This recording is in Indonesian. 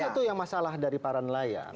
itu yang masalah dari para nelayan